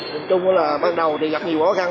nói chung là ban đầu thì gặp nhiều khó khăn